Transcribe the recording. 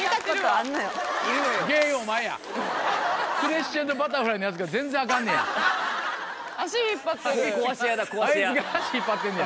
あいつが足引っ張ってんねや。